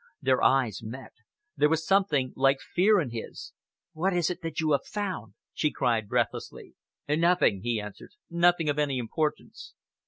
Their eyes met. There was something like fear in his. "What is it that you have found?" she cried breathlessly. "Nothing," he answered, "nothing of any importance."